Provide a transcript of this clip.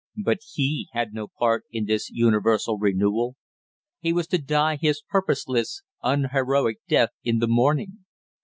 But he had no part in this universal renewal he was to die his purposeless unheroic death in the morning.